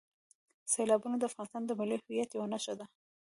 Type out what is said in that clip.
سیلابونه د افغانستان د ملي هویت یوه نښه ده.